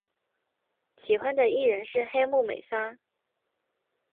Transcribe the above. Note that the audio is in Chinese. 喜欢的艺人是黑木美纱。